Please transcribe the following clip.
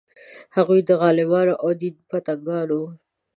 هغوی د غلمانو او د دین پتنګان وو.